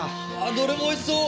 どれも美味しそう！